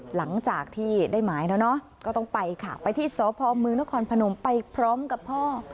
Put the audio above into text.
หลังจากที่ได้หมายแล้วเนอะก็ต้องไปค่ะไปที่สพมนครพนมไปพร้อมกับพ่อ